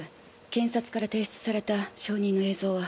検察から提出された証人の映像は。